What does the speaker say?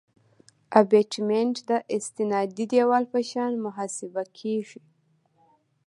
ابټمنټ د استنادي دیوال په شان محاسبه کیږي